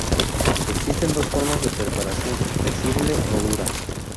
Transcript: Existen dos formas de preparación, flexible o dura.